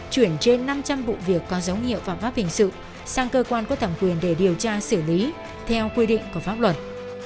chuyển trên năm trăm linh vụ việc có dấu hiệu phạm pháp hình sự sang cơ quan có thẩm quyền để điều tra xử lý theo quy định của pháp luật